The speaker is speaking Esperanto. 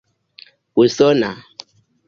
usona